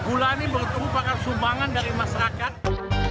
gula ini merupakan sumbangan dari masyarakat